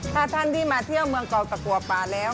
ถ้าท่านที่มาเที่ยวเมืองเกาะตะกัวป่าแล้ว